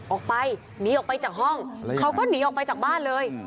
ออกไปหนีออกไปจากห้องเขาก็หนีออกไปจากบ้านเลย